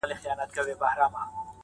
نن د پايزېب په شرنگهار راته خبري کوه.